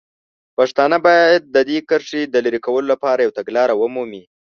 پښتانه باید د دې کرښې د لرې کولو لپاره یوه تګلاره ومومي.